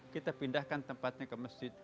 kita pindahkan tempatnya ke masjid